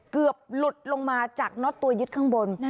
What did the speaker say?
เกือบหลุดลงมาจากน็อตตัวยึดข้างบน